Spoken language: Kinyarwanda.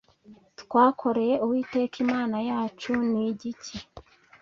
twakoreye uwiteka imana yacu ni igiki